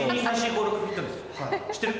知ってる？